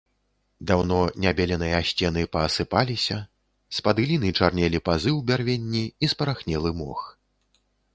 Даўно не беленыя сцены паасыпаліся, з-пад гліны чарнелі пазы ў бярвенні і спарахнелы мох.